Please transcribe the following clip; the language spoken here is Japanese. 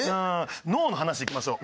脳の話いきましょう。